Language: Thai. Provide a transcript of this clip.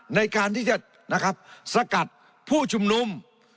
ในการที่จะสกัดผู้ชุมนุม